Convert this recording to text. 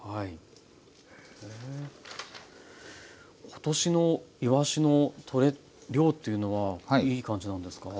今年のいわしの取れ量っていうのはいい感じなんですか？